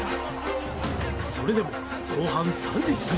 それでも後半３０分。